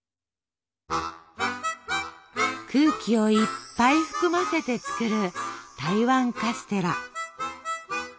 空気をいっぱい含ませて作る台湾カステラ。